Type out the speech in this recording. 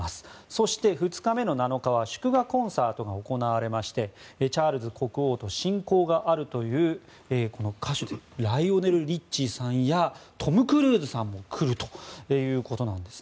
そして、２日目の７日は祝賀コンサートが行われましてチャールズ国王と親交があるという歌手ライオネル・リッチーさんやトム・クルーズさんも来るということです。